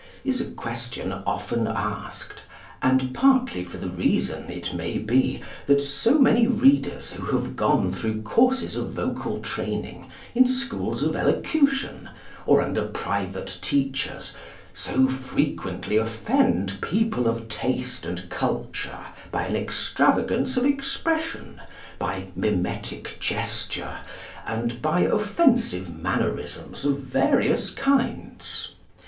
is a question often asked, and partly for the reason, it may be, that so many readers who have gone through courses of vocal training in schools of elocution, or under private teachers, so frequently offend people of taste and culture by an extravagance of expression, by mimetic gesture, and by offensive mannerisms of various kinds.